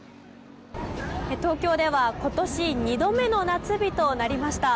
東京では今年２度目の夏日となりました。